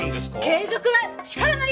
継続は力なり！